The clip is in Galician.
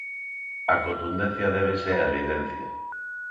A contundencia débese á evidencia.